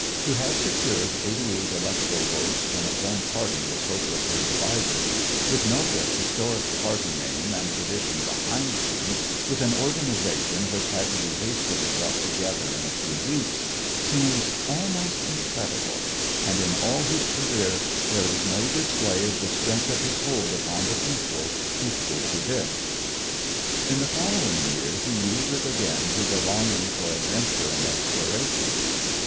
To have secured eighty eight electoral votes when his own party was hopelessly divided, with no great historic party name and tradition behind him, with an organization which had to be hastily brought together in a few weeks, seems almost incredible, and in all his career there is no display of the strength of his hold upon the people equal to this. In the following year he yielded again to the longing for adventure and exploration.